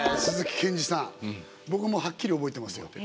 僕もはっきり覚えてますよ。